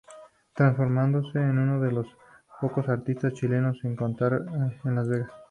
Transformándose en uno de los pocos artistas chilenos en cantar en las Vegas.